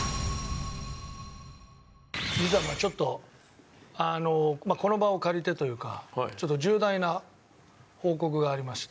実はちょっとあのこの場を借りてというかちょっと重大な報告がありまして。